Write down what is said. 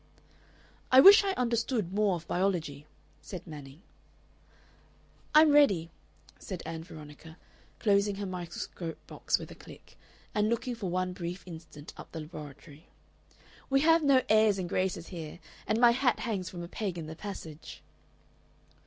"I wish I understood more of biology," said Manning. "I'm ready," said Ann Veronica, closing her microscope box with a click, and looking for one brief instant up the laboratory. "We have no airs and graces here, and my hat hangs from a peg in the passage."